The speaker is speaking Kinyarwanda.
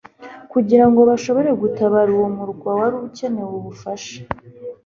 kugira ngo bashobore gutabara uwo murwa wari ukeneye ubufasha.